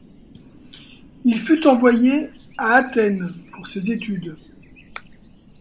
Il fut envoyé à Athènes pour ses études.